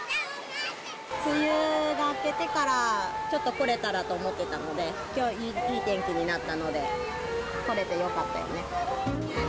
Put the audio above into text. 梅雨が明けてから、ちょっと来れたらと思ってたので、きょう、いい天気になったので、来れてよかったよね。